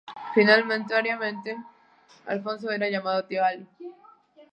Familiarmente, Alfonso era llamado "Tío Ali".